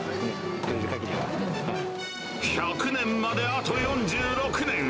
１００年まであと４６年。